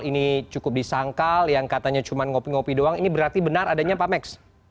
ini cukup disangkal yang katanya cuma ngopi ngopi doang ini berarti benar adanya pak max